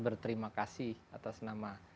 berterima kasih atas nama